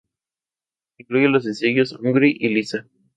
Incluye los sencillos "Hungry" y "Lisa".